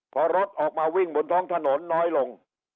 พอรถออกมาวิ่งบนท้องถนนน้อยลง